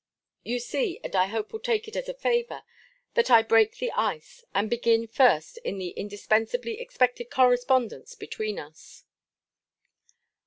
You see, and I hope will take it as a favour, that I break the ice, and begin first in the indispensably expected correspondence between us.